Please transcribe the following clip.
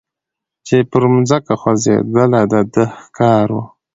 چي پر مځکه خوځېدله د ده ښکار وو